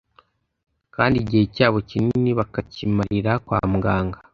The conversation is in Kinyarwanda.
kandi igihe cyabo kinini bakakimarira kwa muganga